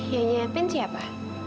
yang siapin siapa